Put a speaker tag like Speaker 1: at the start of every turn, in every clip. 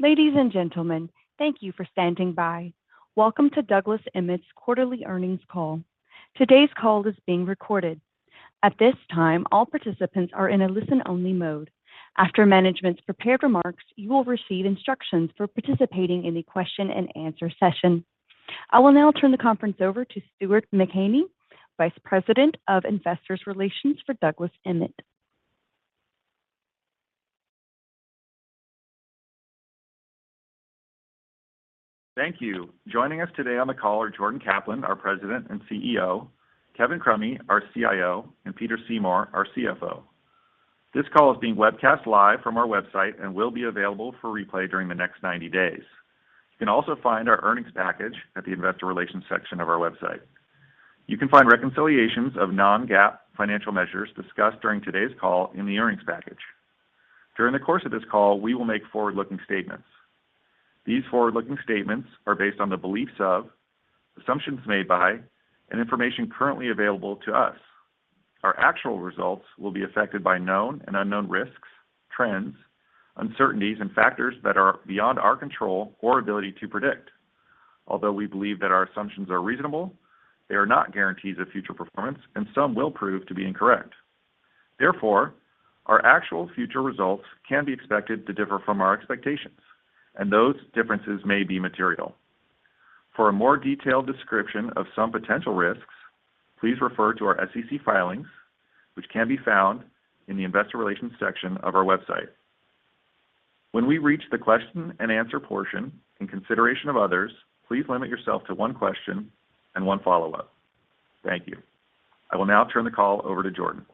Speaker 1: Ladies and gentlemen, thank you for standing by. Welcome to Douglas Emmett's quarterly earnings call. Today's call is being recorded. At this time, all participants are in a listen-only mode. After management's prepared remarks, you will receive instructions for participating in the question and answer session. I will now turn the conference over to Stuart McElhinney, Vice President of Investor Relations for Douglas Emmett.
Speaker 2: Thank you. Joining us today on the call are Jordan Kaplan, our President and CEO, Kevin Crummy, our CIO, and Peter Seymour, our CFO. This call is being webcast live from our website and will be available for replay during the next 90 days. You can also find our earnings package at the investor relations section of our website. You can find reconciliations of non-GAAP financial measures discussed during today's call in the earnings package. During the course of this call, we will make forward-looking statements. These forward-looking statements are based on the beliefs of, assumptions made by, and information currently available to us. Our actual results will be affected by known and unknown risks, trends, uncertainties, and factors that are beyond our control or ability to predict. Although we believe that our assumptions are reasonable, they are not guarantees of future performance, and some will prove to be incorrect. Therefore, our actual future results can be expected to differ from our expectations, and those differences may be material. For a more detailed description of some potential risks, please refer to our SEC filings, which can be found in the investor relations section of our website. When we reach the question and answer portion, in consideration of others, please limit yourself to one question and one follow-up. Thank you. I will now turn the call over to Jordan.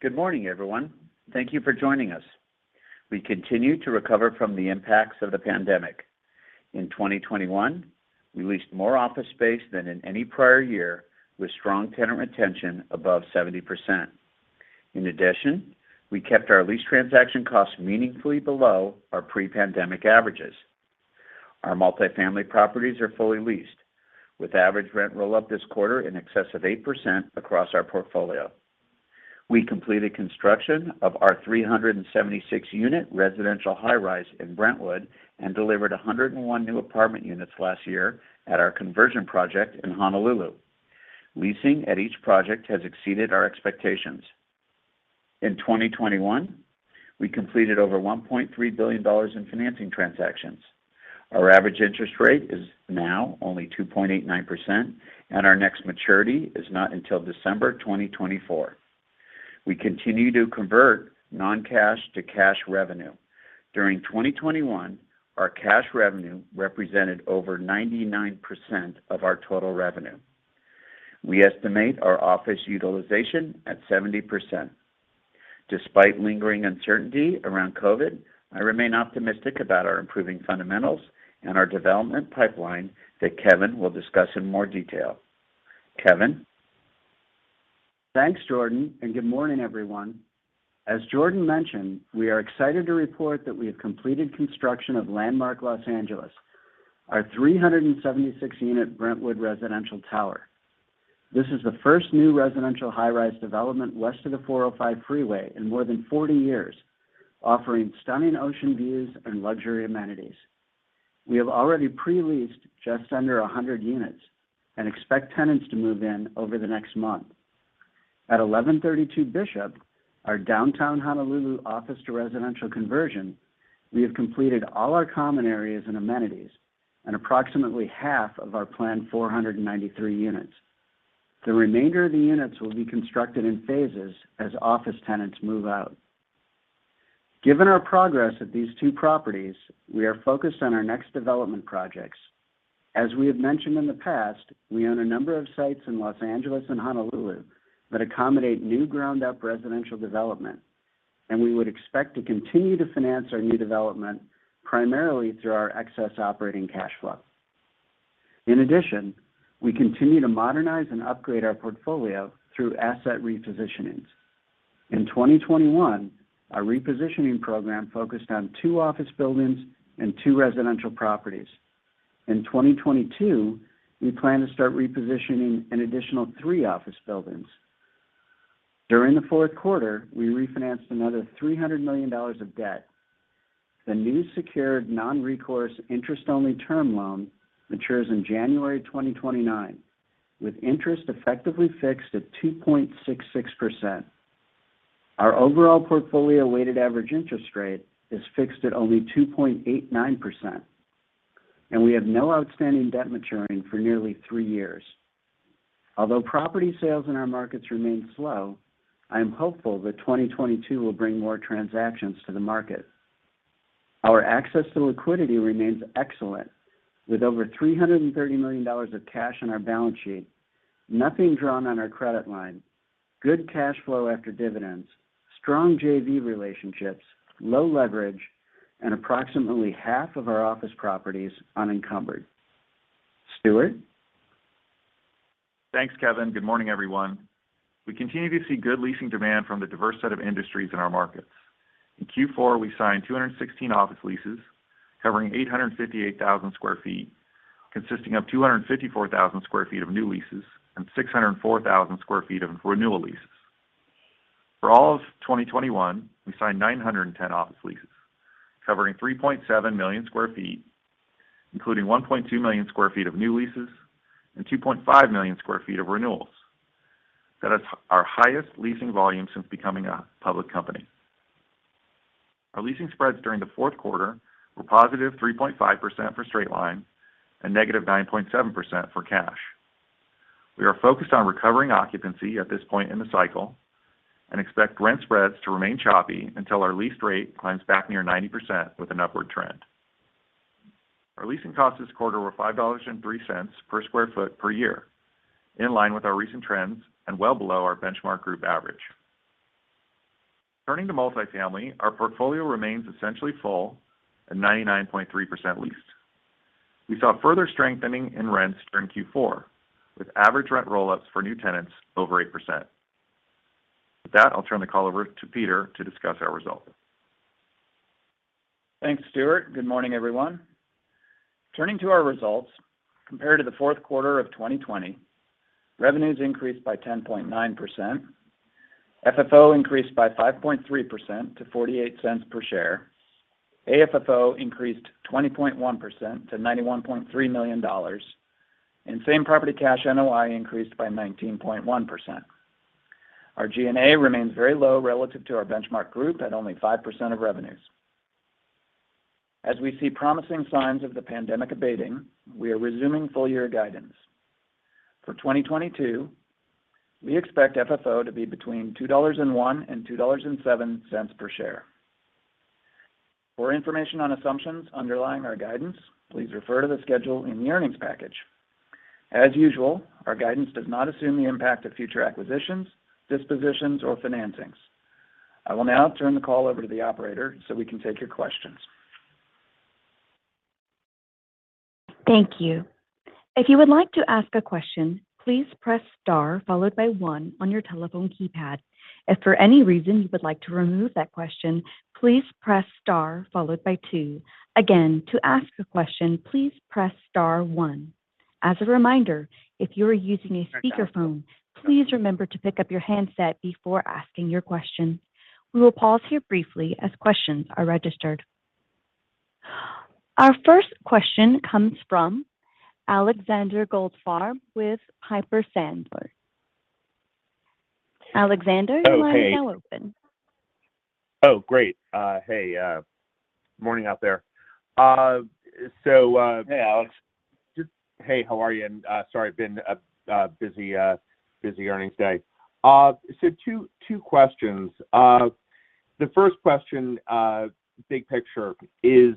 Speaker 3: Good morning, everyone. Thank you for joining us. We continue to recover from the impacts of the pandemic. In 2021, we leased more office space than in any prior year, with strong tenant retention above 70%. In addition, we kept our lease transaction costs meaningfully below our pre-pandemic averages. Our multi-family properties are fully leased, with average rent roll up this quarter in excess of 8% across our portfolio. We completed construction of our 376-unit residential high rise in Brentwood and delivered 101 new apartment units last year at our conversion project in Honolulu. Leasing at each project has exceeded our expectations. In 2021, we completed over $1.3 billion in financing transactions. Our average interest rate is now only 2.89%, and our next maturity is not until December 2024. We continue to convert non-cash to cash revenue. During 2021, our cash revenue represented over 99% of our total revenue. We estimate our office utilization at 70%. Despite lingering uncertainty around COVID, I remain optimistic about our improving fundamentals and our development pipeline that Kevin will discuss in more detail. Kevin.
Speaker 4: Thanks, Jordan, and good morning, everyone. As Jordan mentioned, we are excited to report that we have completed construction of Landmark Los Angeles, our 376 unit Brentwood residential tower. This is the first new residential high-rise development west of the 405 freeway in more than 40 years, offering stunning ocean views and luxury amenities. We have already pre-leased just under 100 units and expect tenants to move in over the next month. At 1132 Bishop, our downtown Honolulu office to residential conversion, we have completed all our common areas and amenities and approximately half of our planned 493 units. The remainder of the units will be constructed in phases as office tenants move out. Given our progress at these two properties, we are focused on our next development projects. As we have mentioned in the past, we own a number of sites in Los Angeles and Honolulu that accommodate new ground-up residential development, and we would expect to continue to finance our new development primarily through our excess operating cash flow. In addition, we continue to modernize and upgrade our portfolio through asset repositionings. In 2021, our repositioning program focused on two office buildings and two residential properties. In 2022, we plan to start repositioning an additional three office buildings. During the fourth quarter, we refinanced another $300 million of debt. The new secured non-recourse interest-only term loan matures in January 2029, with interest effectively fixed at 2.66%. Our overall portfolio weighted average interest rate is fixed at only 2.89%, and we have no outstanding debt maturing for nearly three years. Although property sales in our markets remain slow, I am hopeful that 2022 will bring more transactions to the market. Our access to liquidity remains excellent, with over $330 million of cash on our balance sheet, nothing drawn on our credit line, good cash flow after dividends, strong JV relationships, low leverage, and approximately half of our office properties unencumbered. Stuart?
Speaker 2: Thanks, Kevin. Good morning, everyone. We continue to see good leasing demand from the diverse set of industries in our markets. In Q4, we signed 216 office leases covering 858,000 sq ft, consisting of 254,000 sq ft of new leases and 604,000 sq ft of renewal leases. For all of 2021, we signed 910 office leases covering 3.7 million sq ft, including 1.2 million sq ft of new leases and 2.5 million sq ft of renewals. That is our highest leasing volume since becoming a public company. Our leasing spreads during the fourth quarter were +3.5% for straight line and -9.7% for cash. We are focused on recovering occupancy at this point in the cycle and expect rent spreads to remain choppy until our lease rate climbs back near 90% with an upward trend. Our leasing costs this quarter were $5.03 per sq ft per year, in line with our recent trends and well below our benchmark group average. Turning to multifamily, our portfolio remains essentially full at 99.3% leased. We saw further strengthening in rents during Q4, with average rent roll-ups for new tenants over 8%. With that, I'll turn the call over to Peter to discuss our results.
Speaker 5: Thanks, Stuart. Good morning, everyone. Turning to our results. Compared to the fourth quarter of 2020, revenues increased by 10.9%. FFO increased by 5.3% to $0.48 per share. AFFO increased 20.1% to $91.3 million. Same property cash NOI increased by 19.1%. Our G&A remains very low relative to our benchmark group at only 5% of revenues. As we see promising signs of the pandemic abating, we are resuming full year guidance. For 2022, we expect FFO to be between $2.01 and $2.07 per share. For information on assumptions underlying our guidance, please refer to the schedule in the earnings package. As usual, our guidance does not assume the impact of future acquisitions, dispositions, or financings. I will now turn the call over to the operator, so we can take your questions.
Speaker 1: Thank you. We will pause here briefly as questions are registered. Our first question comes from Alexander Goldfarb with Piper Sandler. Alexander, your line is now open.
Speaker 6: Oh, great. Hey, morning out there.
Speaker 3: Hey, Alex.
Speaker 6: Hey, how are you? Sorry, I've been busy earnings day. So two questions. The first question, big picture is,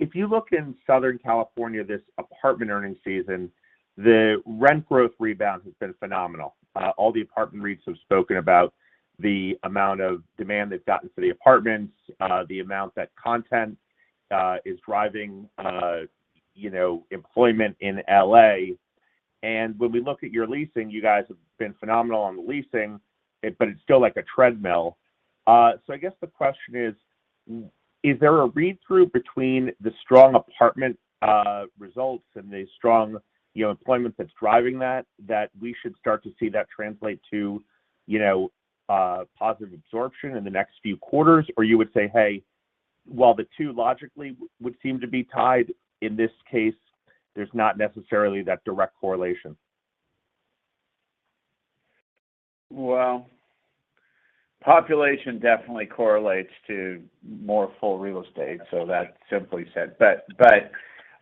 Speaker 6: if you look in Southern California, this apartment earnings season, the rent growth rebound has been phenomenal. All the apartment REITs have spoken about the amount of demand that's gotten to the apartments, the amount that content is driving, you know, employment in L.A. When we look at your leasing, you guys have been phenomenal on the leasing, but it's still like a treadmill. I guess the question is there a read-through between the strong apartment results and the strong, you know, employment that's driving that that we should start to see that translate to, you know, positive absorption in the next few quarters? You would say, "Hey, while the two logically would seem to be tied in this case, there's not necessarily that direct correlation.
Speaker 3: Population definitely correlates to more multifamily real estate, so that's simply said.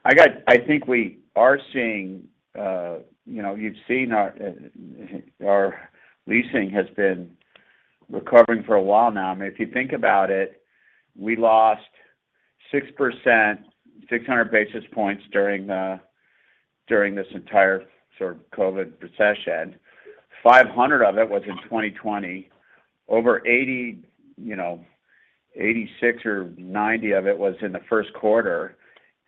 Speaker 3: I think we are seeing, you know, you've seen our leasing has been recovering for a while now. I mean, if you think about it, we lost 6%, 600 basis points during this entire sort of COVID recession. 500 basis points of it was in 2020 basis points. Over 80 basis points, you know, 86 basis points or 90 basis point of it was in the first quarter.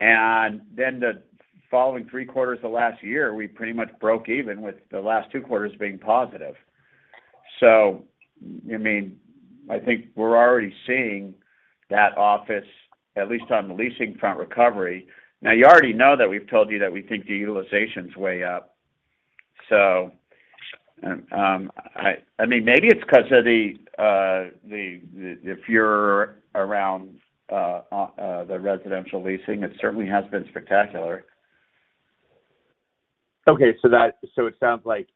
Speaker 3: Then the following three quarters of last year, we pretty much broke even with the last two quarters being positive. I think we're already seeing that office, at least on the leasing front recovery. Now, you already know that we've told you that we think the utilization's way up. I mean, maybe it's 'cause of the if you're around the residential leasing, it certainly has been spectacular.
Speaker 6: Okay. It sounds like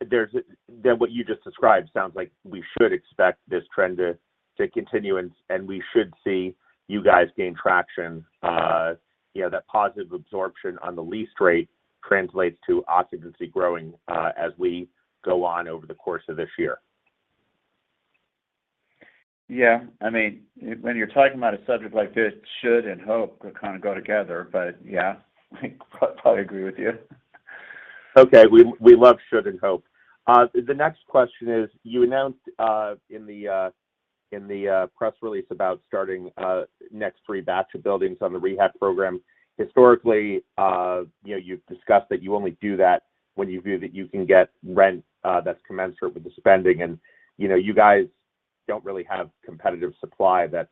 Speaker 6: that what you just described sounds like we should expect this trend to continue and we should see you guys gain traction. You know, that positive absorption on the lease rate translates to occupancy growing, as we go on over the course of this year.
Speaker 3: Yeah. I mean, when you're talking about a subject like this, should and hope kind of go together, but yeah, I probably agree with you.
Speaker 6: The next question is, you announced in the press release about starting next three batch of buildings on the rehab program. Historically, you know, you've discussed that you only do that when you view that you can get rent that's commensurate with the spending. You know, you guys don't really have competitive supply that's,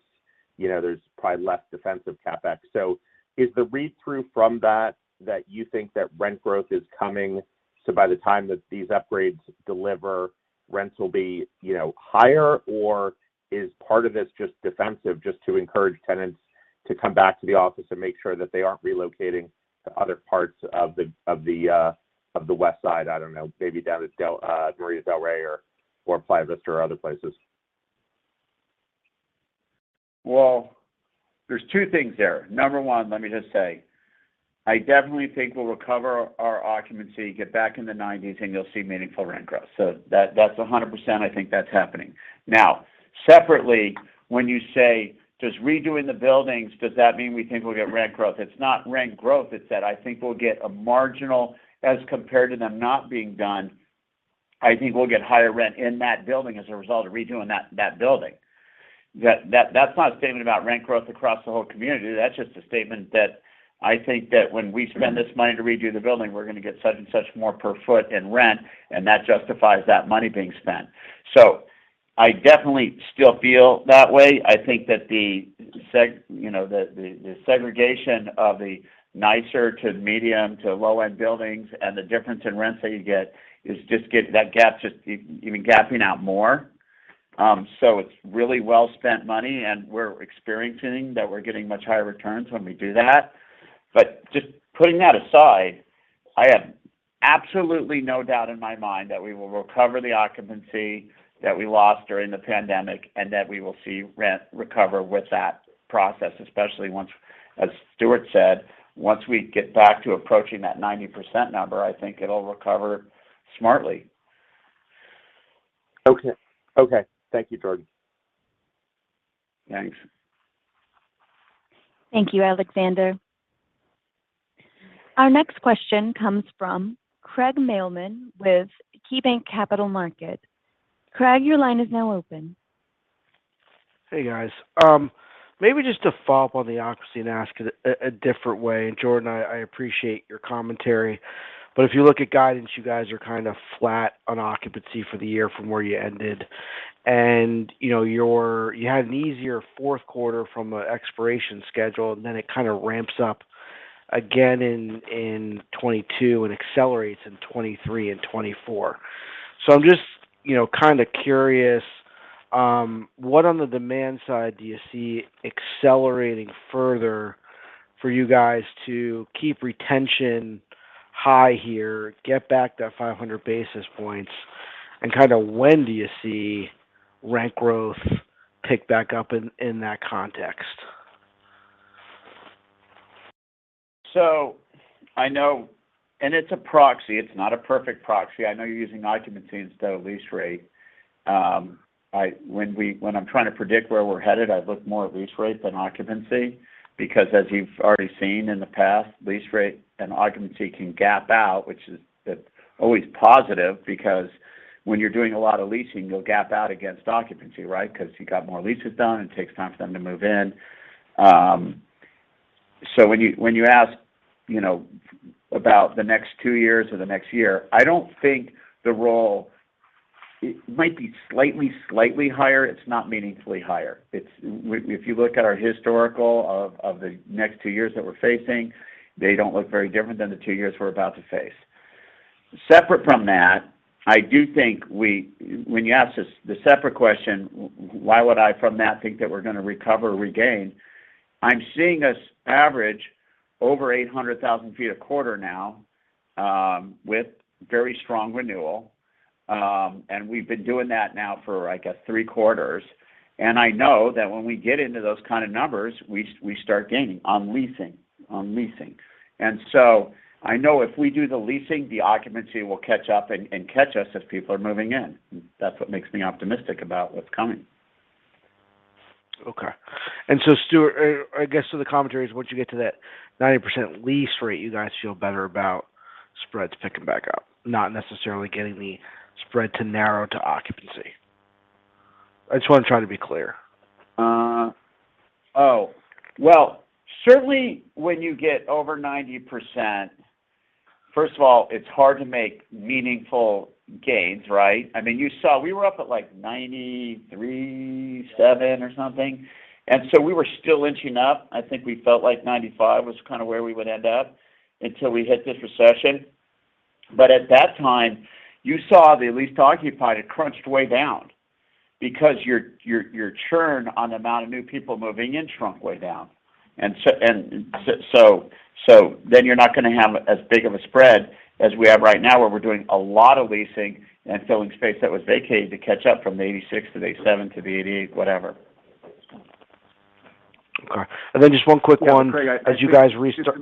Speaker 6: you know, there's probably less defensive CapEx. Is the read-through from that that you think that rent growth is coming, so by the time that these upgrades deliver, rents will be, you know, higher? Is part of this just defensive just to encourage tenants to come back to the office and make sure that they aren't relocating to other parts of the West Side? I don't know, maybe down to Marina del Rey or Playa Vista or other places?
Speaker 3: Well, there are two things there. Number one, let me just say, I definitely think we'll recover our occupancy, get back in the 90s, and you'll see meaningful rent growth. That, that's 100% I think that's happening. Now, separately, when you say, "Does redoing the buildings, does that mean we think we'll get rent growth?" It's not rent growth, it's that I think we'll get a marginal as compared to them not being done. I think we'll get higher rent in that building as a result of redoing that building. That's not a statement about rent growth across the whole community. That's just a statement that I think that when we spend this money to redo the building, we're gonna get such and such more per foot in rent, and that justifies that money being spent. I definitely still feel that way. I think that the you know, the segregation of the nicer to medium to low-end buildings and the difference in rents that you get is just getting. That gap's just even gapping out more. So it's really well-spent money, and we're experiencing that we're getting much higher returns when we do that. Just putting that aside, I have absolutely no doubt in my mind that we will recover the occupancy that we lost during the pandemic and that we will see rent recover with that process, especially once, as Stuart said, once we get back to approaching that 90% number, I think it'll recover smartly.
Speaker 6: Okay. Thank you, Jordan.
Speaker 3: Thanks.
Speaker 1: Thank you, Alexander. Our next question comes from Craig Mailman with KeyBanc Capital Markets. Craig, your line is now open.
Speaker 7: Hey, guys. Maybe just to follow up on the occupancy and ask it a different way. Jordan, I appreciate your commentary, but if you look at guidance, you guys are kind of flat on occupancy for the year from where you ended. You know, you had an easier fourth quarter from an expiration schedule, and then it kind of ramps up again in 2022 and accelerates in 2023 and 2024. I'm just you know, kind of curious, what on the demand side do you see accelerating further for you guys to keep retention high here, get back that 500 basis points? Kind of when do you see rent growth pick back up in that context?
Speaker 3: I know it's a proxy, it's not a perfect proxy. I know you're using occupancy instead of lease rate. When I'm trying to predict where we're headed, I look more at lease rate than occupancy because as you've already seen in the past, lease rate and occupancy can gap out, which is, that's always positive because when you're doing a lot of leasing, you'll gap out against occupancy, right? 'Cause you got more leases done and it takes time for them to move in. When you ask, you know, about the next two years or the next year, I don't think the role. It might be slightly higher. It's not meaningfully higher. It's If you look at our historical of the next two years that we're facing, they don't look very different than the two years we're about to face. Separate from that, I do think, when you ask this, the separate question, why would I from that think that we're gonna recover or regain? I'm seeing us average over 800,000 feet a quarter now, with very strong renewal. And we've been doing that now for, I guess, three quarters. And I know that when we get into those kind of numbers, we start gaining on leasing. And so I know if we do the leasing, the occupancy will catch up and catch us as people are moving in. That's what makes me optimistic about what's coming.
Speaker 7: Okay. Stuart, I guess so the commentary is once you get to that 90% lease rate, you guys feel better about spreads picking back up, not necessarily getting the spread to narrow to occupancy. I just wanna try to be clear.
Speaker 3: Well, certainly when you get over 90%, first of all, it's hard to make meaningful gains, right? I mean, you saw we were up at like 93.7% or something, and so we were still inching up. I think we felt like 95% was kind of where we would end up until we hit this recession. But at that time, you saw the leased occupancy had crunched way down because your churn on the amount of new people moving in shrunk way down. So then you're not gonna have as big of a spread as we have right now, where we're doing a lot of leasing and filling space that was vacated to catch up from 86% to the 87% to the 88%, whatever.
Speaker 7: Okay. Just one quick one.
Speaker 3: Yeah, Craig,
Speaker 7: As you guys restart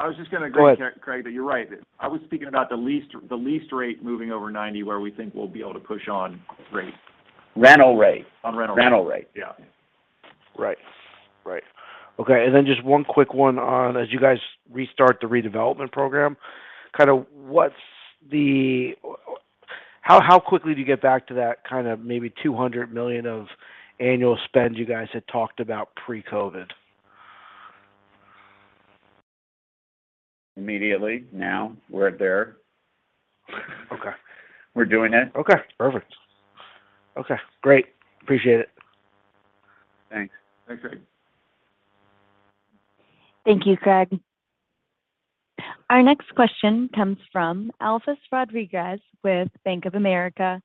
Speaker 3: Just to make it-
Speaker 7: Oh.
Speaker 4: I was just gonna agree.
Speaker 7: Go ahead.
Speaker 4: Craig, that you're right. I was speaking about the lease, the lease rate moving over 90 where we think we'll be able to push on rate.
Speaker 7: Rental rate.
Speaker 4: On rental rate.
Speaker 3: Rental rate.
Speaker 4: Yeah.
Speaker 7: Right. Okay. Just one quick one on, as you guys restart the redevelopment program, kind of, how quickly do you get back to that kind of maybe $200 million of annual spend you guys had talked about pre-COVID?
Speaker 3: Immediately. Now. We're there.
Speaker 7: Okay.
Speaker 3: We're doing it.
Speaker 7: Okay, perfect. Okay, great. Appreciate it.
Speaker 3: Thanks.
Speaker 4: Thanks, Craig.
Speaker 1: Thank you, Craig. Our next question comes from Elvis Rodriguez with Bank of America.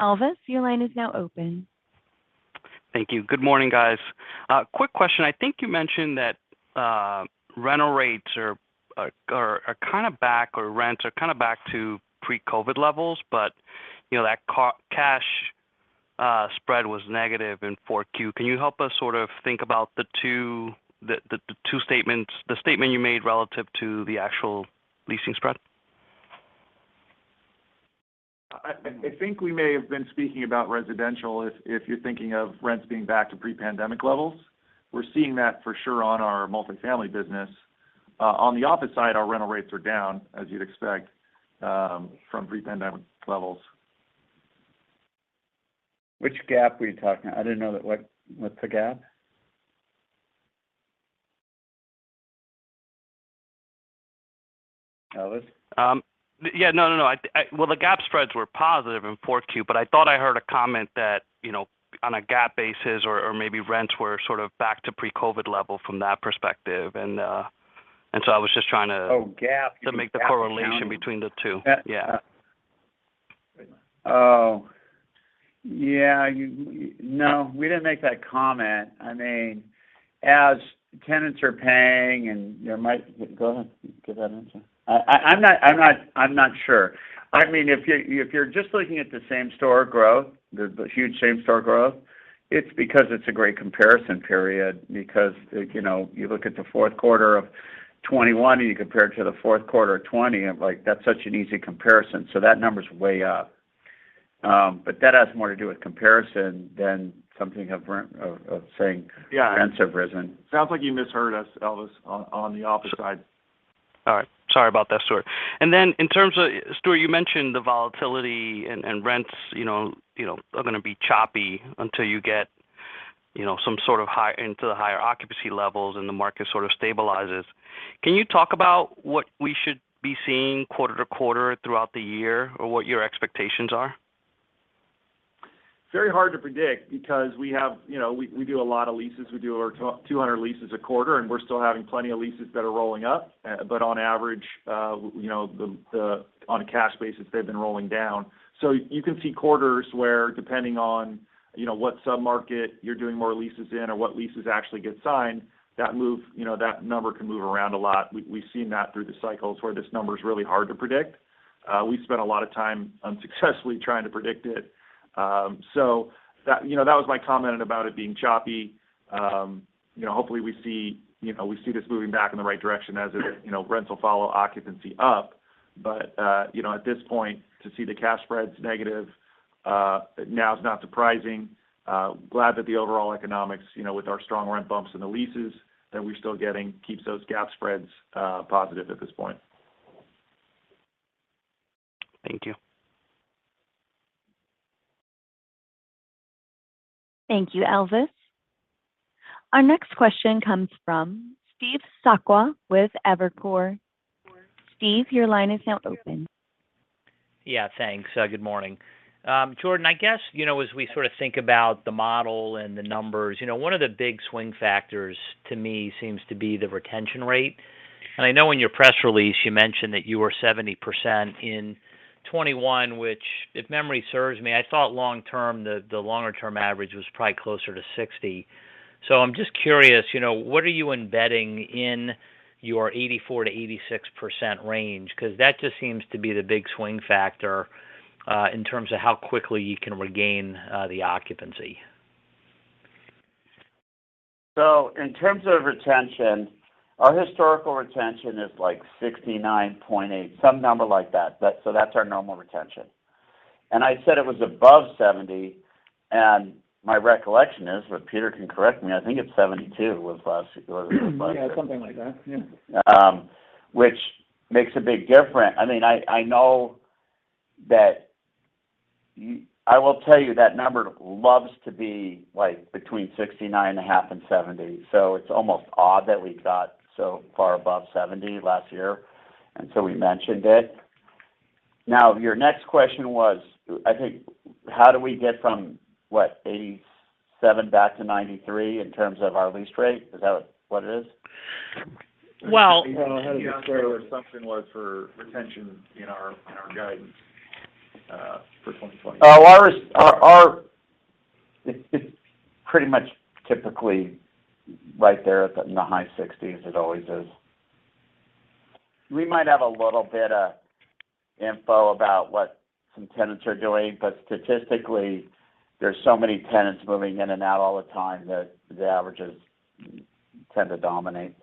Speaker 1: Elvis, your line is now open.
Speaker 8: Thank you. Good morning, guys. Quick question. I think you mentioned that rental rates are kind of back, or rents are kind of back to pre-COVID levels, but, you know, that cash spread was negative in 4Q. Can you help us sort of think about the two statements, the statement you made relative to the actual leasing spread?
Speaker 2: I think we may have been speaking about residential if you're thinking of rents being back to pre-pandemic levels. We're seeing that for sure on our multifamily business. On the office side, our rental rates are down, as you'd expect, from pre-pandemic levels.
Speaker 3: Which gap were you talking about? I didn't know that. What's the gap? Elvis?
Speaker 8: Yeah. No. Well, the cap spreads were positive in 4Q, but I thought I heard a comment that, you know, on a cap basis or maybe rents were sort of back to pre-COVID level from that perspective. I was just trying to
Speaker 3: Oh, gap-
Speaker 8: to make the correlation between the two. Yeah.
Speaker 3: Oh. Yeah. No, we didn't make that comment. I mean, as tenants are paying and there might. Go ahead. Give that answer. I'm not sure. I mean, if you're just looking at the same store growth, the huge same store growth, it's because it's a great comparison period. Because, you know, you look at the fourth quarter of 2021, and you compare it to the fourth quarter of 2020, like, that's such an easy comparison. That number's way up. That has more to do with comparison than something of saying.
Speaker 2: Yeah.
Speaker 3: Rents have risen.
Speaker 2: Sounds like you misheard us, Elvis, on the office side.
Speaker 8: All right. Sorry about that. Sure. In terms of Stuart, you mentioned the volatility and rents, you know, are gonna be choppy until you get, you know, some sort of high into the higher occupancy levels and the market sort of stabilizes. Can you talk about what we should be seeing quarter to quarter throughout the year or what your expectations are?
Speaker 2: Very hard to predict because we have. You know, we do a lot of leases. We do over 200 leases a quarter, and we're still having plenty of leases that are rolling up. But on average, you know, on a cash basis, they've been rolling down. You can see quarters where depending on, you know, what sub-market you're doing more leases in or what leases actually get signed, that move, you know, that number can move around a lot. We've seen that through the cycles where this number's really hard to predict. We've spent a lot of time unsuccessfully trying to predict it. That was my comment about it being choppy. You know, hopefully we see this moving back in the right direction as it, you know, rents will follow occupancy up. You know, at this point, to see the cash spreads negative now is not surprising. Glad that the overall economics, you know, with our strong rent bumps and the leases that we're still getting keeps those gap spreads positive at this point.
Speaker 8: Thank you.
Speaker 1: Thank you, Elvis. Our next question comes from Steve Sakwa with Evercore. Steve, your line is now open.
Speaker 9: Yeah. Thanks. Good morning. Jordan, I guess, you know, as we sort of think about the model and the numbers, you know, one of the big swing factors to me seems to be the retention rate. I know in your press release you mentioned that you were 70% in 2021, which if memory serves me, I thought long-term, the longer term average was probably closer to 60%. I'm just curious, you know, what are you embedding in your 84%-86% range? 'Cause that just seems to be the big swing factor in terms of how quickly you can regain the occupancy.
Speaker 3: In terms of retention, our historical retention is like 69.8%, some number like that. That's our normal retention. I said it was above 70%, and my recollection is, but Peter can correct me, I think it's 72% was last year.
Speaker 2: Yeah, something like that. Yeah.
Speaker 3: Which makes a big difference. I mean, I know that I will tell you that number loves to be, like between 69.5% and 70%. It's almost odd that we got so far above 70% last year, and we mentioned it. Now, your next question was, I think, how do we get from, what, 87% back to 93% in terms of our lease rate? Is that what it is?
Speaker 9: Well-
Speaker 2: You went ahead and said what our assumption was for retention in our guidance for 2020.
Speaker 3: It's pretty much typically right there at the, you know, high 60s%. It always is. We might have a little bit of info about what some tenants are doing, but statistically, there's so many tenants moving in and out all the time that the averages tend to dominate.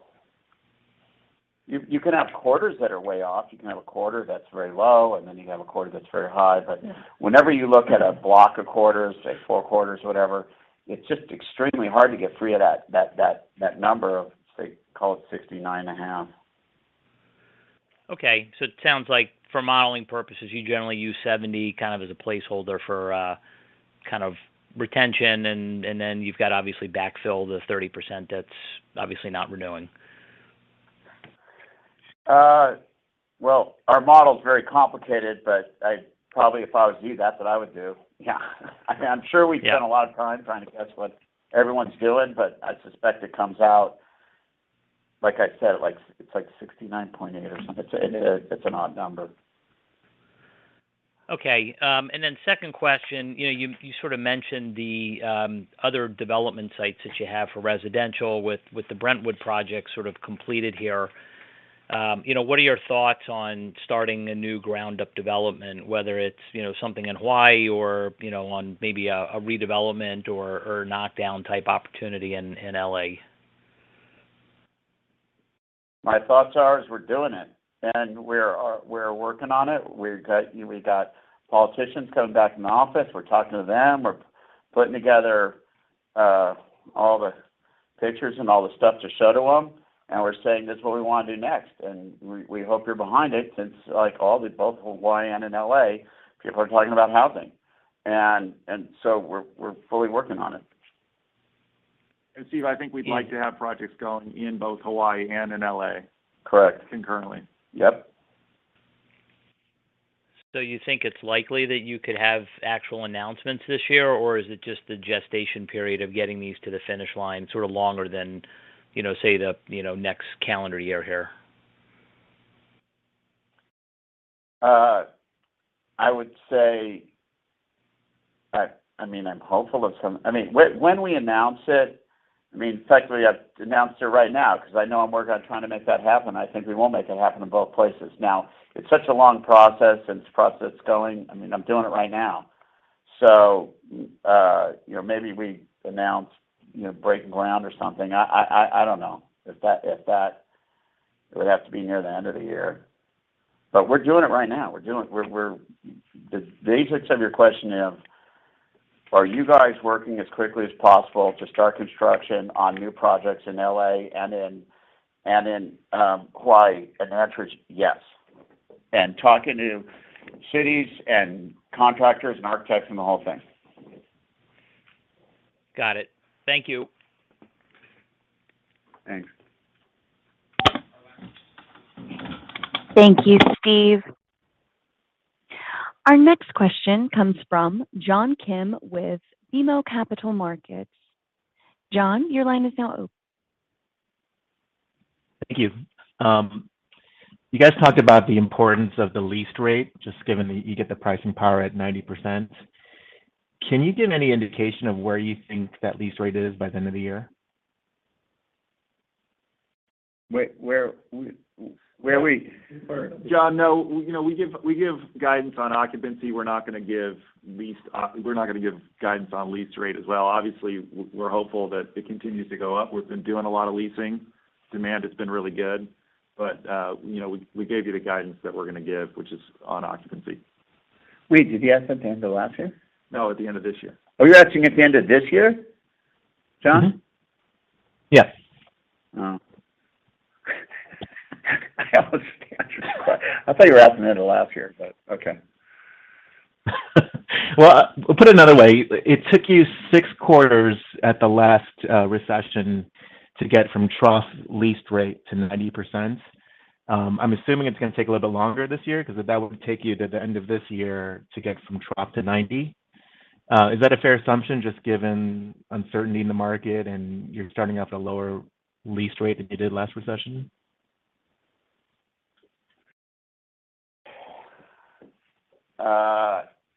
Speaker 3: You can have quarters that are way off. You can have a quarter that's very low, and then you have a quarter that's very high. But whenever you look at a block of quarters, say four quarters, whatever, it's just extremely hard to get free of that number of, say, call it 69.5.
Speaker 9: Okay. It sounds like for modeling purposes, you generally use 70% kind of as a placeholder for kind of retention and then you've got obviously backfill the 30% that's obviously not renewing.
Speaker 3: Well, our model is very complicated, but I probably, if I was you, that's what I would do.
Speaker 9: Yeah.
Speaker 3: I'm sure we spent.
Speaker 9: Yeah
Speaker 3: a lot of time trying to guess what everyone's doing, but I suspect it comes out, like I said, like it's 69.8% or something. It's an odd number.
Speaker 9: Okay. Second question. You sort of mentioned the other development sites that you have for residential with the Brentwood project sort of completed here. What are your thoughts on starting a new ground-up development, whether it's something in Hawaii or on maybe a redevelopment or knockdown type opportunity in L.A.?
Speaker 3: My thoughts are, we're doing it and we're working on it. We've got politicians coming back in the office. We're talking to them. We're putting together all the pictures and all the stuff to show to them. We're saying, "This is what we want to do next, and we hope you're behind it," since like all the—both Hawaii and in L.A., people are talking about housing. We're fully working on it.
Speaker 2: Steve, I think we'd like to have projects going in both Hawaii and in L.A.
Speaker 3: Correct
Speaker 2: -concurrently.
Speaker 3: Yep.
Speaker 9: You think it's likely that you could have actual announcements this year, or is it just the gestation period of getting these to the finish line sort of longer than, you know, say the, you know, next calendar year here?
Speaker 3: I would say, I mean, I'm hopeful of some. I mean, when we announce it, I mean, technically I've announced it right now because I know I'm working on trying to make that happen. I think we will make it happen in both places. Now, it's such a long process, and it's a process going. I mean, I'm doing it right now. You know, maybe we announce, you know, breaking ground or something. I don't know if that. It would have to be near the end of the year. We're doing it right now. The basics of your question is, are you guys working as quickly as possible to start construction on new projects in L.A. and in Hawaii? The answer is yes. Talking to cities and contractors and architects and the whole thing.
Speaker 9: Got it. Thank you.
Speaker 3: Thanks.
Speaker 1: Thank you, Steve. Our next question comes from John Kim with BMO Capital Markets. John, your line is now open.
Speaker 10: Thank you. You guys talked about the importance of the lease rate, just given that you get the pricing power at 90%. Can you give any indication of where you think that lease rate is by the end of the year?
Speaker 3: Where are we?
Speaker 2: John, no. You know, we give guidance on occupancy. We're not gonna give guidance on lease rate as well. Obviously, we're hopeful that it continues to go up. We've been doing a lot of leasing. Demand has been really good. But you know, we gave you the guidance that we're gonna give, which is on occupancy.
Speaker 3: Wait, did he ask that at the end of last year?
Speaker 2: No, at the end of this year.
Speaker 3: Oh, you're asking at the end of this year? John?
Speaker 10: Mm-hmm. Yes.
Speaker 3: I thought you were asking me about last year, but okay.
Speaker 10: Well, put another way, it took you six quarters at the last recession to get from trough lease rate to 90%. I'm assuming it's gonna take a little bit longer this year because that would take you to the end of this year to get from trough to 90%. Is that a fair assumption, just given uncertainty in the market and you're starting off at a lower lease rate than you did last recession?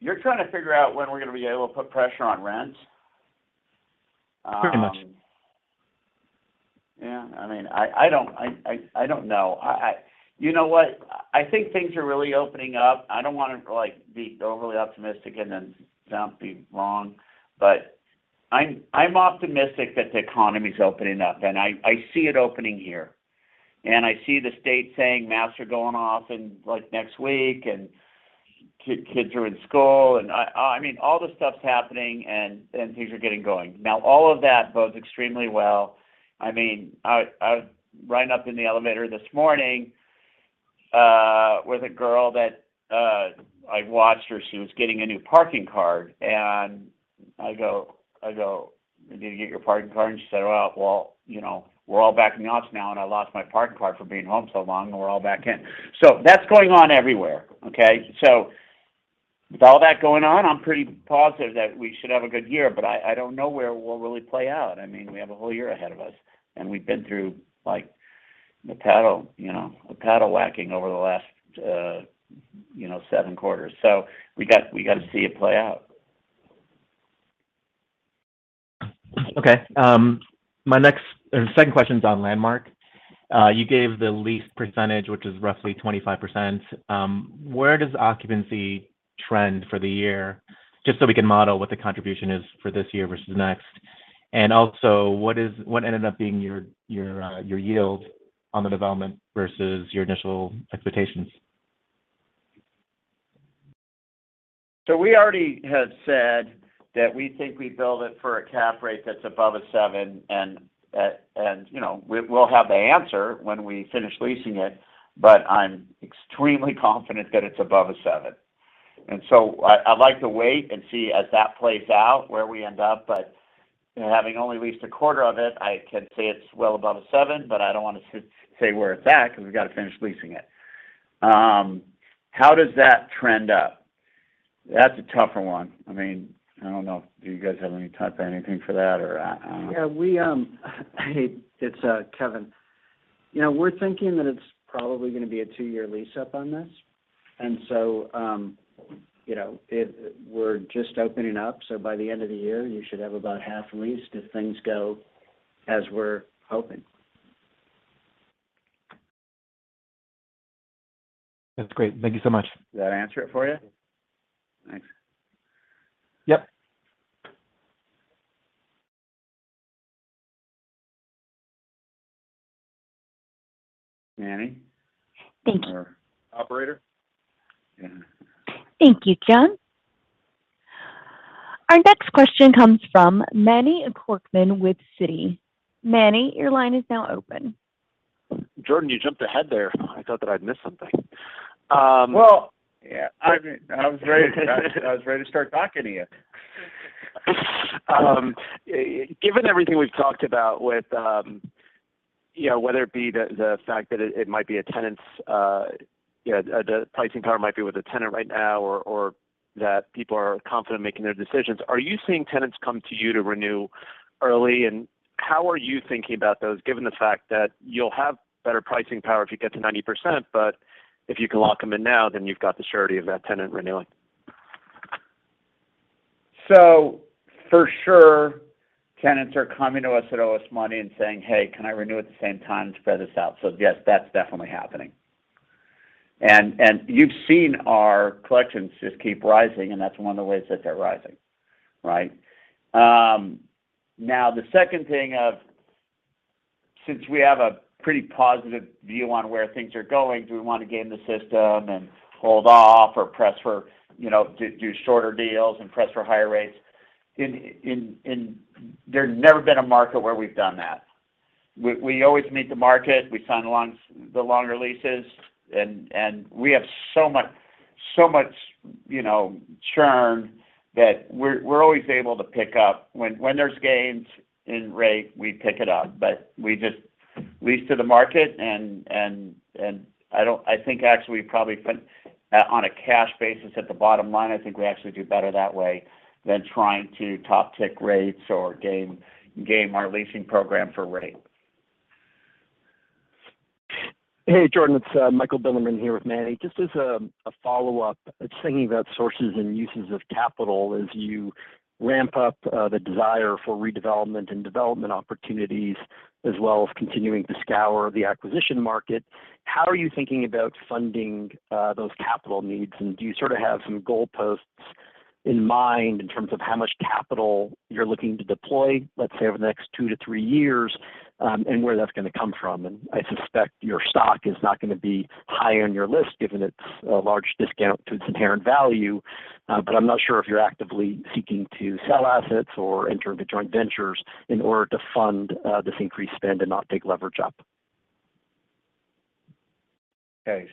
Speaker 3: You're trying to figure out when we're gonna be able to put pressure on rent?
Speaker 10: Pretty much.
Speaker 3: Yeah, I mean, I don't know. You know what? I think things are really opening up. I don't wanna like be overly optimistic and then be wrong, but I'm optimistic that the economy is opening up and I see it opening here. I see the state saying masks are going off in like next week, and kids are in school. I mean, all this stuff's happening and things are getting going. Now, all of that bodes extremely well. I mean, I was riding up in the elevator this morning with a girl that I watched her. She was getting a new parking card. I go, "Did you get your parking card?" She said, "Well, you know, we're all back in the office now, and I lost my parking card for being home so long, and we're all back in." That's going on everywhere, okay? With all that going on, I'm pretty positive that we should have a good year, but I don't know where we'll really play out. I mean, we have a whole year ahead of us, and we've been through like, the paddle, you know, the paddle whacking over the last, you know, seven quarters. We got to see it play out.
Speaker 10: Okay. The second question's on Landmark. You gave the lease percentage, which is roughly 25%. Where does occupancy trend for the year? Just so we can model what the contribution is for this year versus next. Also, what ended up being your yield on the development versus your initial expectations?
Speaker 3: We already have said that we think we build it for a cap rate that's above 7%. We'll have the answer when we finish leasing it. I'm extremely confident that it's above 7%. I like to wait and see as that plays out where we end up, but having only leased a quarter of it, I can say it's well above 7%, but I don't wanna say where it's at because we got to finish leasing it. How does that trend up? That's a tougher one. I mean, I don't know. Do you guys have any type of anything for that or-
Speaker 4: Hey, it's Kevin. You know, we're thinking that it's probably gonna be a two-year lease up on this. You know, we're just opening up, so by the end of the year, you should have about half leased if things go as we're hoping.
Speaker 10: That's great. Thank you so much.
Speaker 3: Did that answer it for you? Thanks.
Speaker 10: Yep.
Speaker 3: Manny.
Speaker 1: Thank you.
Speaker 3: Operator. Yeah.
Speaker 1: Thank you, John. Our next question comes from Manny Korchman with Citi. Manny, your line is now open.
Speaker 11: Jordan, you jumped ahead there. I thought that I'd missed something.
Speaker 3: Well, yeah, I mean, I was ready to start talking to you.
Speaker 11: Given everything we've talked about with, you know, whether it be the fact that it might be a tenant's, you know, the pricing power might be with a tenant right now or that people are confident making their decisions, are you seeing tenants come to you to renew early? How are you thinking about those, given the fact that you'll have better pricing power if you get to 90%, but if you can lock them in now, then you've got the surety of that tenant renewing.
Speaker 3: For sure, tenants are coming to us that owe us money and saying, "Hey, can I renew at the same time to spread this out?" Yes, that's definitely happening. You've seen our collections just keep rising, and that's one of the ways that they're rising, right? Now, the second thing is since we have a pretty positive view on where things are going, do we want to game the system and hold off or press for, you know, do shorter deals and press for higher rates? There's never been a market where we've done that. We always meet the market. We sign along the longer leases, and we have so much, you know, churn that we're always able to pick up. When there's gains in rate, we pick it up, but we just lease to the market. I think actually probably, on a cash basis at the bottom line, I think we actually do better that way than trying to top tick rates or game our leasing program for rate.
Speaker 12: Hey, Jordan, it's Michael Bilerman here with Manny. Just as a follow-up, just thinking about sources and uses of capital as you ramp up the desire for redevelopment and development opportunities, as well as continuing to scour the acquisition market, how are you thinking about funding those capital needs? Do you sort of have some goalposts in mind in terms of how much capital you're looking to deploy, let's say, over the next two to three years, and where that's gonna come from? I suspect your stock is not gonna be high on your list, given it's a large discount to its inherent value, but I'm not sure if you're actively seeking to sell assets or enter into joint ventures in order to fund this increased spend and not take leverage up.
Speaker 3: Okay.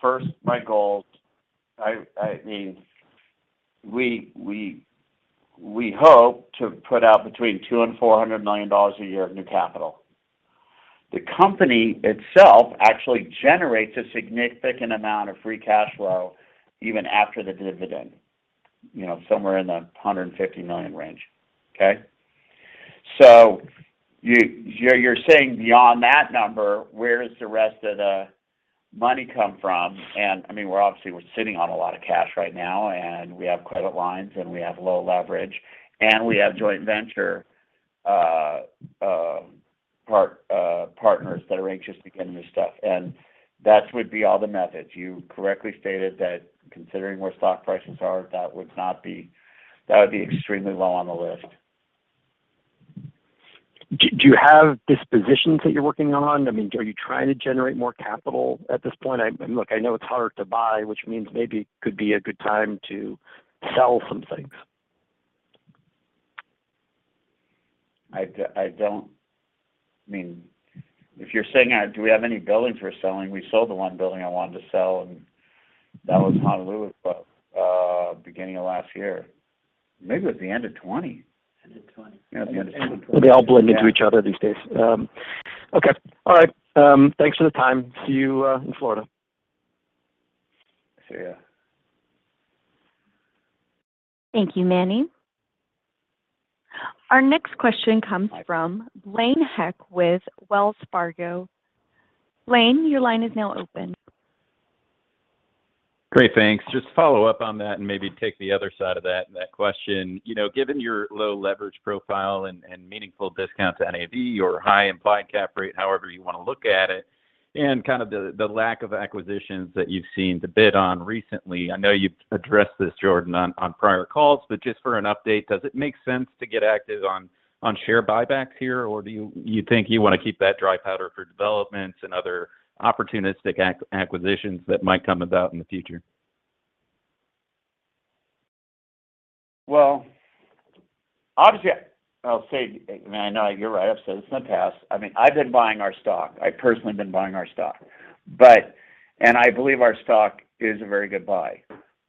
Speaker 3: First, Michael. We hope to put out $200 million-$400 million a year of new capital. The company itself actually generates a significant amount of free cash flow even after the dividend, you know, somewhere in the $150 million range. Okay? You're saying beyond that number, where does the rest of the money come from? I mean, we're obviously sitting on a lot of cash right now, and we have credit lines, and we have low leverage, and we have joint venture partners that are anxious to get into stuff. That would be all the methods. You correctly stated that considering where stock prices are, that would not be. That would be extremely low on the list.
Speaker 12: Do you have dispositions that you're working on? I mean, are you trying to generate more capital at this point? Look, I know it's harder to buy, which means maybe it could be a good time to sell some things.
Speaker 3: I don't, I mean, if you're saying, do we have any buildings we're selling, we sold the one building I wanted to sell, and that was Honolulu, beginning of last year. Maybe it was the end of 2020.
Speaker 4: End of 2020.
Speaker 3: Yeah, the end of 2020.
Speaker 12: Well, they all blend into each other these days. Okay. All right. Thanks for the time. See you in Florida.
Speaker 3: See you.
Speaker 1: Thank you, Manny. Our next question comes from Blaine Heck with Wells Fargo. Blaine, your line is now open.
Speaker 13: Great. Thanks. Just to follow up on that and maybe take the other side of that question. You know, given your low leverage profile and meaningful discount to NAV, your high implied cap rate, however you wanna look at it, and kind of the lack of acquisitions that you've seen to bid on recently, I know you've addressed this, Jordan, on prior calls, but just for an update, does it make sense to get active on share buybacks here? Or do you think you wanna keep that dry powder for developments and other opportunistic acquisitions that might come about in the future?
Speaker 3: Well, obviously I'll say, I mean, I know you're right. I've said this in the past. I mean, I've been buying our stock. I've personally been buying our stock. I believe our stock is a very good buy.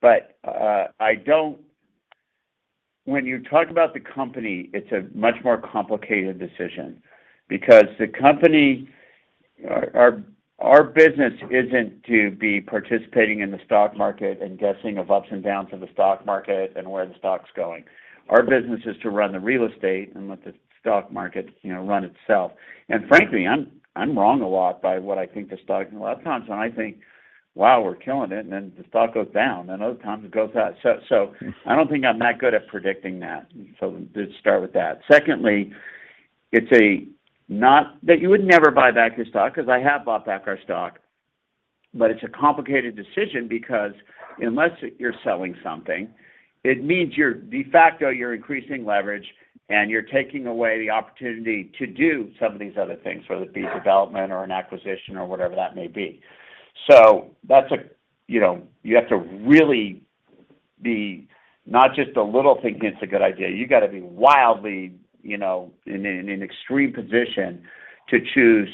Speaker 3: I don't. When you talk about the company, it's a much more complicated decision because the company, our business isn't to be participating in the stock market and guessing of ups and downs of the stock market and where the stock's going. Our business is to run the real estate and let the stock market, you know, run itself. Frankly, I'm wrong a lot by what I think the stock is. A lot of times when I think, wow, we're killing it, and then the stock goes down, and other times it goes up. I don't think I'm that good at predicting that. Let's start with that. Secondly, it's not that you would never buy back your stock because I have bought back our stock, but it's a complicated decision because unless you're selling something, it means you're de facto, you're increasing leverage, and you're taking away the opportunity to do some of these other things, whether it be development or an acquisition or whatever that may be. That's, you know. You have to really be not just a little, think it's a good idea. You got to be wildly, you know, in an extreme position to choose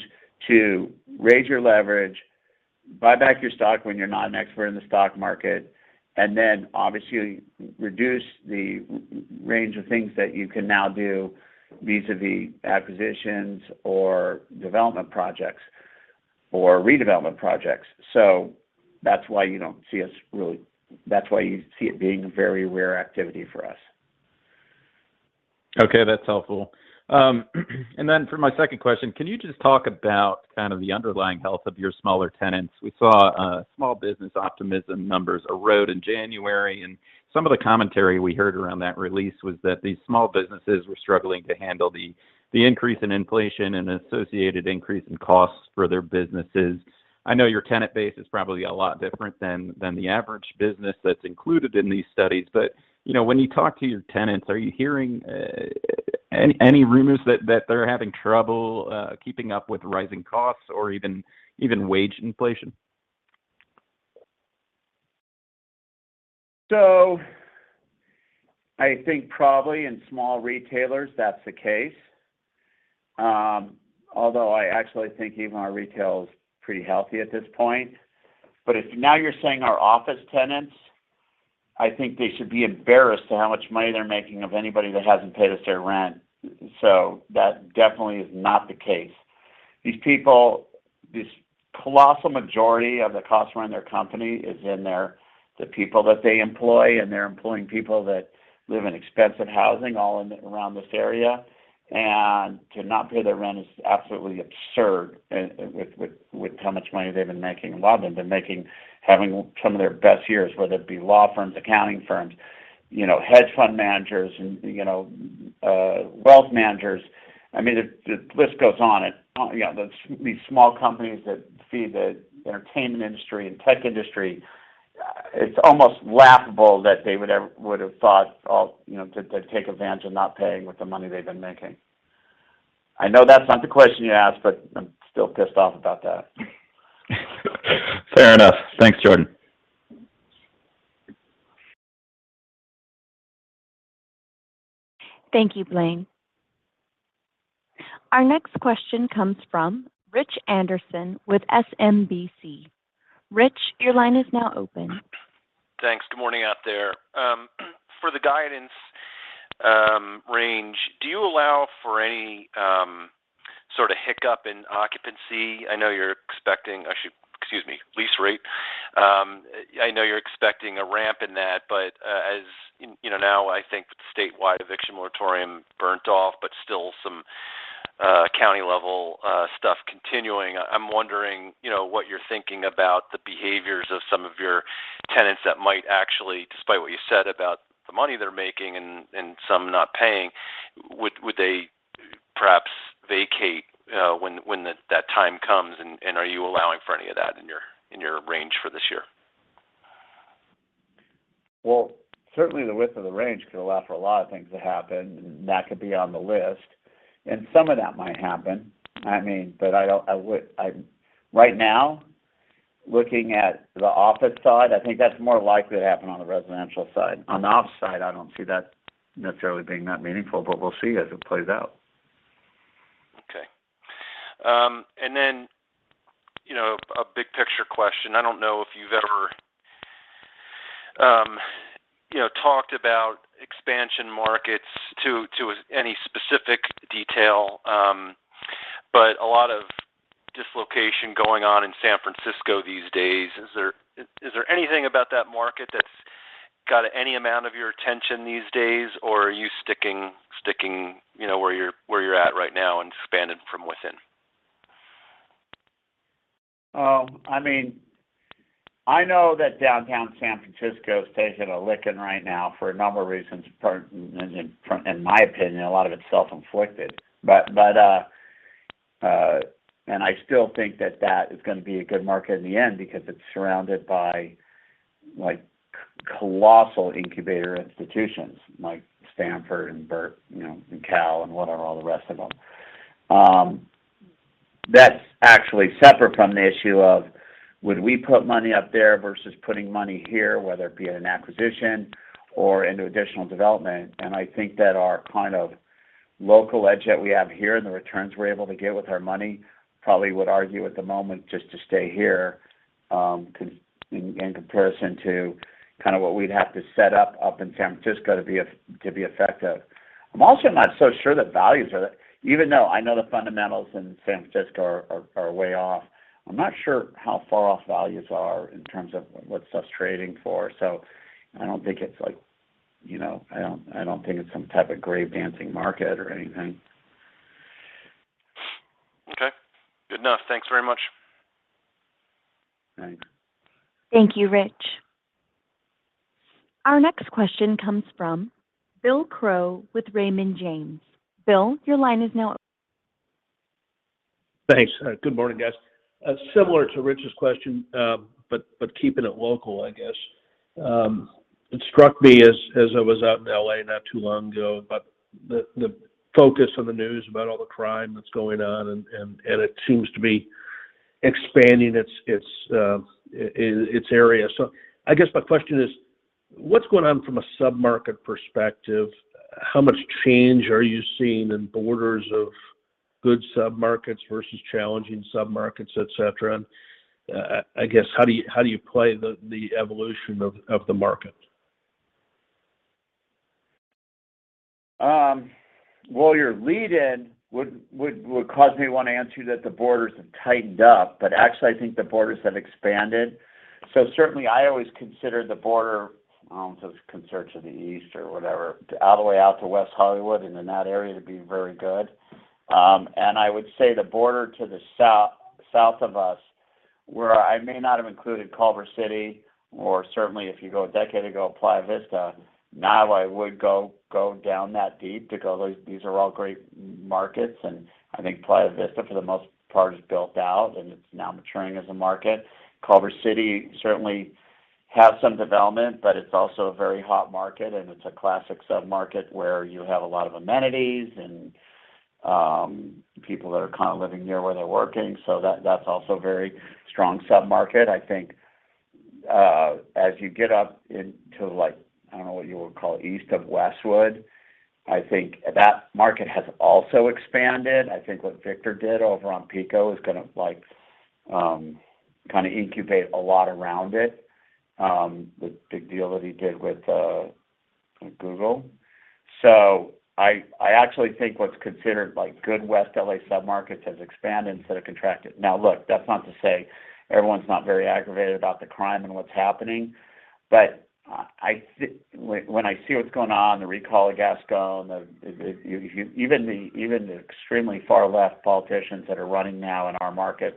Speaker 3: to raise your leverage, buy back your stock when you're not an expert in the stock market, and then obviously reduce the range of things that you can now do vis-à-vis acquisitions or development projects or redevelopment projects. That's why you don't see us really. That's why you see it being a very rare activity for us.
Speaker 13: Okay, that's helpful. Then for my second question, can you just talk about kind of the underlying health of your smaller tenants? We saw small business optimism numbers erode in January, and some of the commentary we heard around that release was that these small businesses were struggling to handle the increase in inflation and associated increase in costs for their businesses. I know your tenant base is probably a lot different than the average business that's included in these studies. You know, when you talk to your tenants, are you hearing any rumors that they're having trouble keeping up with rising costs or even wage inflation?
Speaker 3: I think probably in small retailers that's the case. Although I actually think even our retail is pretty healthy at this point. If now you're saying our office tenants, I think they should be embarrassed of how much money they're making off anybody that hasn't paid us their rent. That definitely is not the case. These people, this colossal majority of the cost to run their company is in their people that they employ, and they're employing people that live in expensive housing all in around this area. To not pay their rent is absolutely absurd with how much money they've been making. A lot of them have been having some of their best years, whether it be law firms, accounting firms, you know, hedge fund managers and, you know, wealth managers. I mean, the list goes on. You know, these small companies that feed the entertainment industry and tech industry, it's almost laughable that they would have thought of, you know, to take advantage of not paying with the money they've been making. I know that's not the question you asked, but I'm still pissed off about that.
Speaker 13: Fair enough. Thanks, Jordan.
Speaker 1: Thank you, Blaine. Our next question comes from Rich Anderson with SMBC. Rich, your line is now open.
Speaker 14: Thanks. Good morning out there. For the guidance range, do you allow for any sort of hiccup in occupancy? I know you're expecting a ramp in lease rate, but as you know, now I think with the statewide eviction moratorium burned off but still some county level stuff continuing, I'm wondering what you're thinking about the behaviors of some of your tenants that might actually, despite what you said about the money they're making and some not paying, would they perhaps vacate when that time comes? Are you allowing for any of that in your range for this year?
Speaker 3: Well, certainly the width of the range could allow for a lot of things to happen, and that could be on the list. Some of that might happen. I mean, but I don't. Right now, looking at the office side, I think that's more likely to happen on the residential side. On the office side, I don't see that necessarily being that meaningful, but we'll see as it plays out.
Speaker 14: Okay. Then, you know, a big picture question. I don't know if you've ever, you know, talked about expansion markets to any specific detail. A lot of dislocation going on in San Francisco these days. Is there anything about that market that's got any amount of your attention these days, or are you sticking, you know, where you're at right now and expanding from within?
Speaker 3: I mean, I know that downtown San Francisco is taking a licking right now for a number of reasons. In my opinion, a lot of it's self-inflicted. I still think that is gonna be a good market in the end because it's surrounded by, like, colossal incubator institutions like Stanford and Berkeley, you know, and Cal, and whatever, all the rest of them. That's actually separate from the issue of would we put money up there versus putting money here, whether it be an acquisition or into additional development. I think that our kind of local edge that we have here and the returns we're able to get with our money probably would argue at the moment just to stay here, in comparison to kind of what we'd have to set up in San Francisco to be effective. I'm also not so sure that values are. Even though I know the fundamentals in San Francisco are way off, I'm not sure how far off values are in terms of what stuff's trading for. I don't think it's like some type of grave dancing market or anything.
Speaker 14: Okay. Good enough. Thanks very much.
Speaker 3: Thanks.
Speaker 1: Thank you, Rich. Our next question comes from Bill Crow with Raymond James. Bill, your line is now open.
Speaker 15: Thanks. Good morning, guys. Similar to Rich's question, but keeping it local, I guess. It struck me as I was out in L.A. not too long ago, but the focus on the news about all the crime that's going on and it seems to be expanding its area. So I guess my question is: What's going on from a sub-market perspective? How much change are you seeing in borders of good sub-markets versus challenging sub-markets, et cetera? I guess, how do you play the evolution of the market?
Speaker 3: Well, your lead in would cause me to want to answer you that the borders have tightened up, but actually I think the borders have expanded. Certainly I always considered the border, so it's contiguous to the east or whatever, all the way out to West Hollywood, and in that area to be very good. I would say the border to the south of us, where I may not have included Culver City, or certainly if you go a decade ago, Playa Vista. Now I would go down that deep. These are all great markets, and I think Playa Vista for the most part is built out, and it's now maturing as a market. Culver City certainly has some development, but it's also a very hot market, and it's a classic sub-market where you have a lot of amenities and people that are kind of living near where they're working. That's also very strong sub-market. I think as you get up into like, I don't know what you would call east of Westwood, I think that market has also expanded. I think what Victor did over on Pico is gonna like kind of incubate a lot around it, the big deal that he did with Google. I actually think what's considered like good West L.A. sub-markets has expanded instead of contracted. Now, look, that's not to say everyone's not very aggravated about the crime and what's happening, but when I see what's going on, the recall of Gascón. Even the extremely far left politicians that are running now in our markets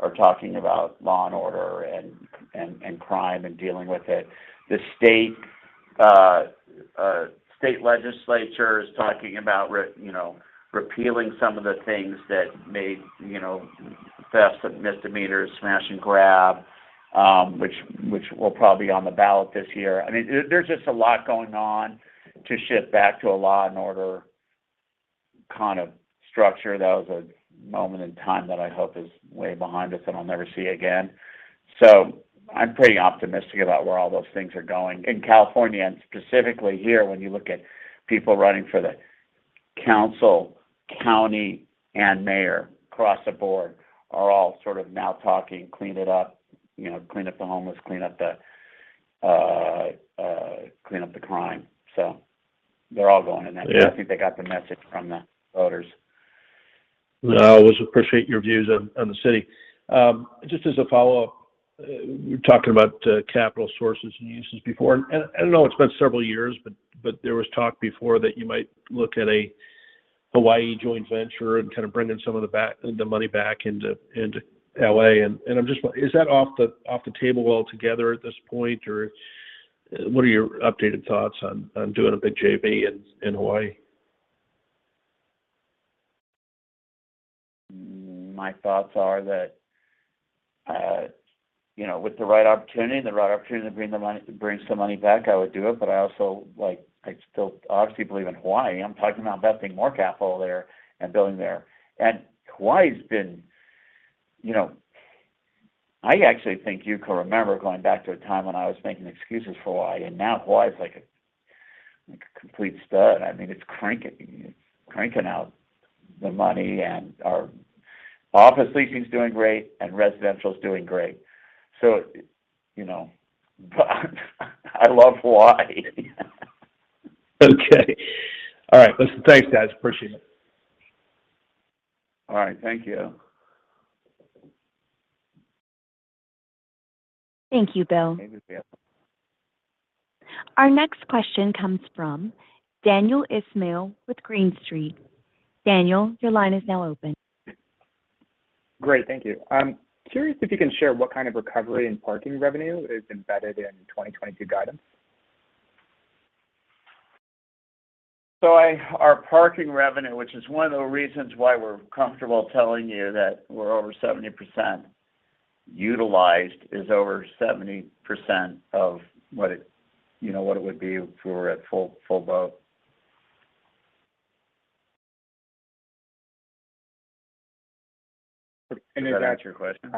Speaker 3: are talking about law and order and crime and dealing with it. The state legislature is talking about repealing some of the things that made the thefts and misdemeanors, smash and grab, which will probably be on the ballot this year. I mean, there's just a lot going on to shift back to a law and order kind of structure. That was a moment in time that I hope is way behind us and I'll never see again. I'm pretty optimistic about where all those things are going. In California, and specifically here, when you look at people running for the council, county, and mayor across the board are all sort of now talking, clean it up, you know, clean up the homeless, clean up the crime. They're all going in that direction.
Speaker 15: Yeah.
Speaker 3: I think they got the message from the voters.
Speaker 15: I always appreciate your views on the city. Just as a follow-up, you were talking about capital sources and uses before, and I know it's been several years, but there was talk before that you might look at a Hawaii joint venture and kind of bring in some of the money back into L.A. I'm just wondering, is that off the table altogether at this point, or what are your updated thoughts on doing a big JV in Hawaii?
Speaker 3: My thoughts are that, you know, with the right opportunity to bring some money back, I would do it. I also, like, I still obviously believe in Hawaii. I'm talking about investing more capital there and building there. Hawaii's been, you know, I actually think you can remember going back to a time when I was making excuses for Hawaii, and now Hawaii is like a complete stud. I mean, it's cranking out the money, and our office leasing's doing great and residential's doing great. You know, I love Hawaii.
Speaker 15: Okay. All right. Listen, thanks, guys. Appreciate it.
Speaker 3: All right. Thank you.
Speaker 1: Thank you, Bill.
Speaker 3: Thank you. See you.
Speaker 1: Our next question comes from Daniel Ismail with Green Street. Daniel, your line is now open.
Speaker 16: Great. Thank you. I'm curious if you can share what kind of recovery in parking revenue is embedded in 2022 guidance.
Speaker 3: Our parking revenue, which is one of the reasons why we're comfortable telling you that we're over 70% utilized, is over 70% of what it, you know, what it would be if we were at full boat.
Speaker 16: Is that-
Speaker 3: Does that answer your question?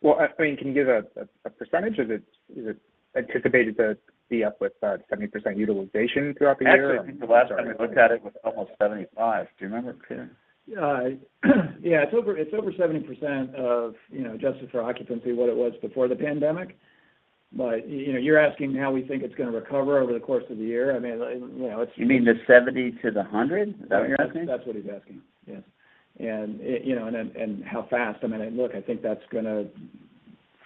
Speaker 16: Well, I mean, can you give a percentage? Is it anticipated to be up with 70% utilization throughout the year? Or-
Speaker 3: Actually, I think the last time we looked at it was almost 75%. Do you remember, Peter?
Speaker 5: Yeah, it's over 70% of, you know, adjusted for occupancy, what it was before the pandemic. You know, you're asking how we think it's gonna recover over the course of the year. I mean, you know, it's
Speaker 3: You mean the 70% to the 100%? Is that what you're asking?
Speaker 5: That's what he's asking, yes. It, you know, and then how fast. I mean, look, I think that's gonna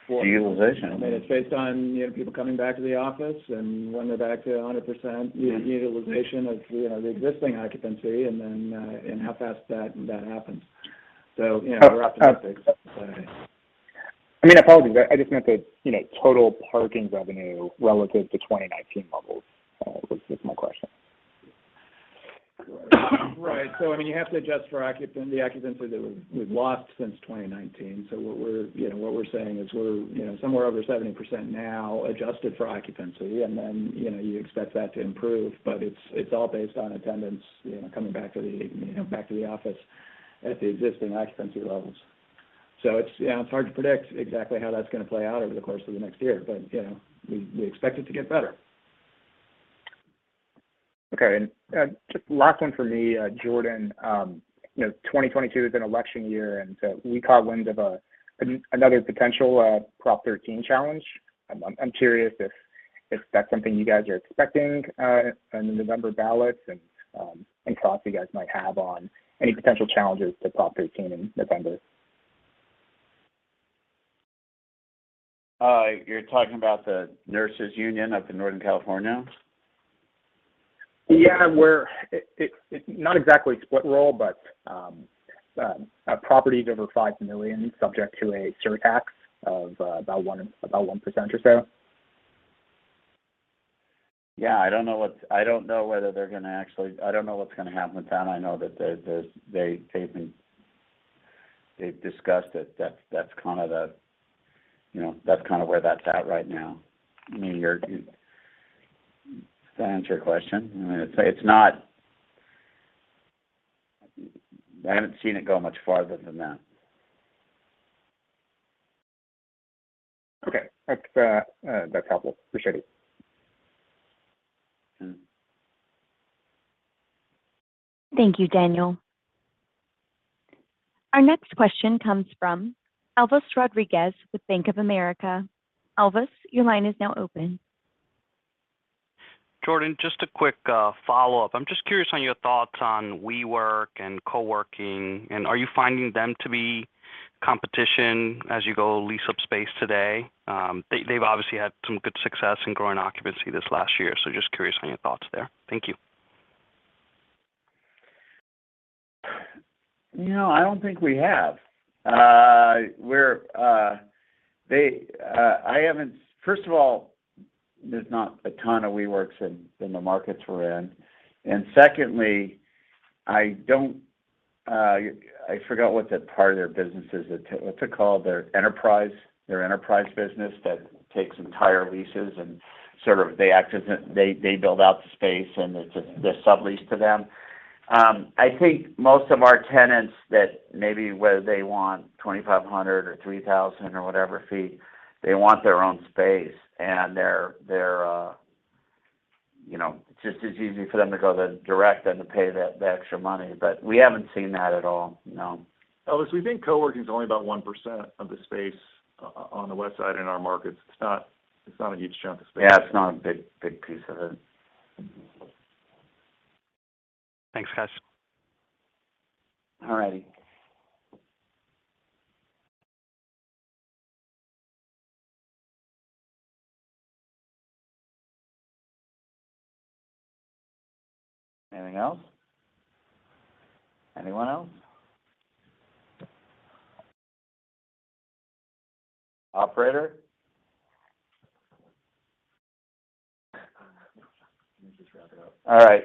Speaker 5: fall-
Speaker 3: The utilization.
Speaker 5: I mean, it's based on, you know, people coming back to the office, and when they're back to 100% utilization of, you know, the existing occupancy and then and how fast that happens. You know, we're optimistic, but.
Speaker 16: I mean, I apologize. I just meant the, you know, total parking revenue relative to 2019 levels was my question.
Speaker 5: Right. I mean, you have to adjust for the occupancy that we've lost since 2019. What we're saying is we're, you know, somewhere over 70% now adjusted for occupancy. You know, you expect that to improve, but it's all based on attendance, you know, coming back to the office at the existing occupancy levels. It's, you know, hard to predict exactly how that's gonna play out over the course of the next year. You know, we expect it to get better.
Speaker 16: Just last one for me, Jordan. You know, 2022 is an election year, and so we caught wind of another potential Prop 13 challenge. I'm curious if that's something you guys are expecting in the November ballots and any thoughts you guys might have on any potential challenges to Prop 13 in November.
Speaker 3: You're talking about the nurses union up in Northern California?
Speaker 16: It's not exactly split roll, but properties over $5 million subject to a surtax of about 1% or so.
Speaker 3: Yeah, I don't know what's gonna happen with that. I know that they've discussed it. That's kind of, you know, where that's at right now. I mean, does that answer your question? I mean, it's not. I haven't seen it go much farther than that.
Speaker 16: Okay. That's helpful. Appreciate it.
Speaker 3: Mm-hmm.
Speaker 1: Thank you, Daniel. Our next question comes from Elvis Rodriguez with Bank of America. Elvis, your line is now open.
Speaker 8: Jordan, just a quick follow-up. I'm just curious on your thoughts on WeWork and co-working, and are you finding them to be competition as you go lease up space today? They've obviously had some good success in growing occupancy this last year, so just curious on your thoughts there. Thank you.
Speaker 3: You know, I don't think we have. First of all, there's not a ton of WeWork in the markets we're in. Secondly, I forgot what that part of their business is. What's it called? Their enterprise business that takes entire leases and sort of they act as if they build out the space, and it's just the sublease to them. I think most of our tenants that maybe whether they want 2,500 sq ft or 3,000 sq ft or whatever sq ft, they want their own space, and they're you know, just as easy for them to go direct than to pay the extra money. We haven't seen that at all. No.
Speaker 5: Elvis, we think co-working's only about 1% of the space on the west side in our markets. It's not a huge chunk of space.
Speaker 3: Yeah, it's not a big piece of it.
Speaker 8: Thanks, guys.
Speaker 3: All righty. Anything else? Anyone else? Operator?
Speaker 5: I don't know. Let me just wrap it up.
Speaker 3: All right.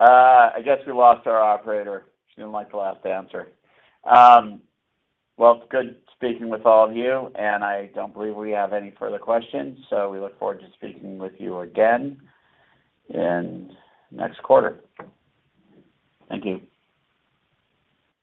Speaker 3: I guess we lost our operator. She didn't like the last answer. Well, it's good speaking with all of you, and I don't believe we have any further questions, so we look forward to speaking with you again in next quarter. Thank you.